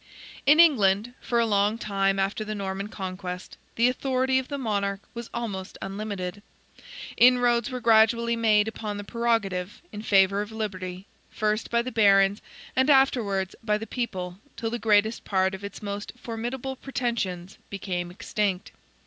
In England, for a long time after the Norman Conquest, the authority of the monarch was almost unlimited. Inroads were gradually made upon the prerogative, in favor of liberty, first by the barons, and afterwards by the people, till the greatest part of its most formidable pretensions became extinct.